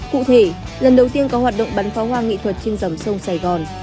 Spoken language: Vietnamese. cụ thể lần đầu tiên có hoạt động bắn pháo hoa nghệ thuật trên dòng sông sài gòn